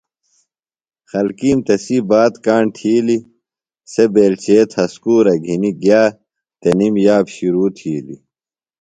خلکِیم تسی بات کاݨ تِھیلیۡ۔ سےۡ بیلچے تھسکُورہ گِھنیۡ گیہ تںِم یاب شرو تِھیلیۡ۔